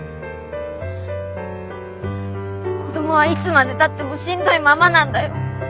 子供はいつまでたってもしんどいままなんだよ。